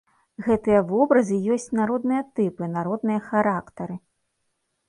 Гэтыя вобразы ёсць народныя тыпы, народныя характары.